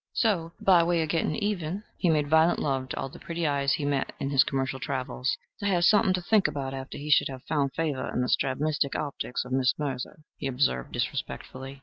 So, "by way of getting even," he made violent love to all the pretty eyes he met in his commercial travels "to have something to think about after he should have found favor in the strabismic optics of Miss Mercer," he observed, disrespectfully.